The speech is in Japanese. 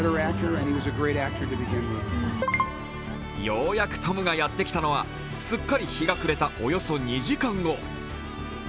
ようやくトムがやって来たのはすっかり日が暮れたおよそ２時間後。